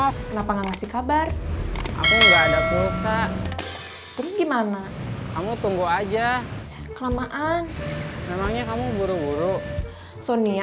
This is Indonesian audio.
sampai jumpa di video selanjutnya